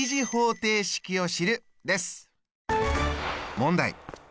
問題！